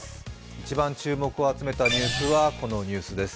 一番注目を集めたニュースはこのニュースです。